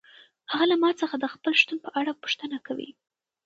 هغه له ما څخه د خپل شتون په اړه پوښتنه کوي.